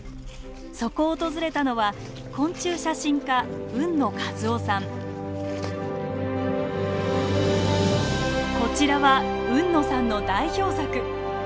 そこを訪れたのはこちらは海野さんの代表作。